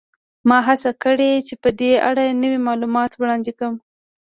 ما هڅه کړې چې په دې اړه نوي معلومات وړاندې کړم